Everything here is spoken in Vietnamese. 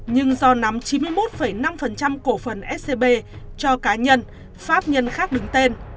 nhưng do nắm chín mươi một năm cổ phần scb cho cá nhân pháp nhân khác đứng tên